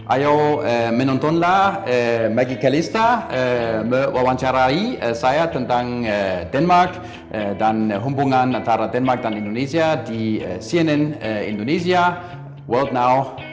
ayo menontonlah maggie kalista mewawancarai saya tentang denmark dan hubungan antara denmark dan indonesia di cnn indonesia world now